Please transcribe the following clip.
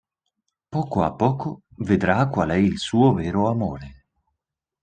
Poco a poco, vedrà qual è il suo vero amore...